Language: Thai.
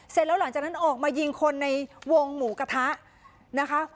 เสร็จแล้วหลังจากนั้นออกมายิงคนในวงหมูกะทะนะคะ